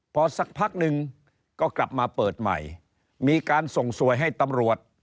พอสักพักหนึ่งก็กลับมาเปิดใหม่มีการส่งสวยให้ตำรวจ